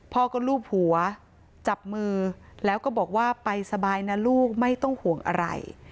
พ่อก็ลูบหัวจับมือแล้วก็บอกว่าไปสบายนะลูกไม่ต้องห่วงอะไร